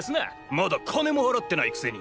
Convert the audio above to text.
まだ金も払ってないくせに！